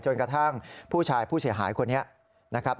กระทั่งผู้ชายผู้เสียหายคนนี้นะครับ